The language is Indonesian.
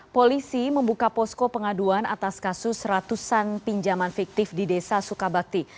polisi membuka posko pengaduan atas kasus ratusan pinjaman fiktif di desa sukabakti